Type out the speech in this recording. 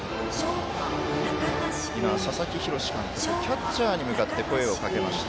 佐々木洋監督キャッチャーに向かって声をかけました。